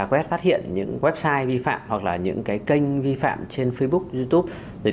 website vi phạm hoặc là những kênh vi phạm trên facebook youtube